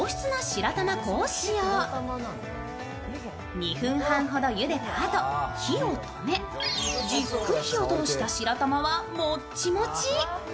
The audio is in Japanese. ２分半ほどゆでたあと、火を止めじっくり火を通した白玉はもっちもち。